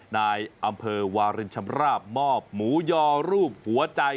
นายอำเภอวารินชำราบมอบหมูยอรูปหัวใจ